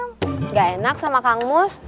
tidak enak sama kang mus